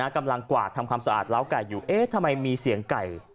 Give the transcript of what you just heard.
กวาดทำความสะอาดล้าวไก่อยู่เอ๊ะทำไมมีเสียงไก่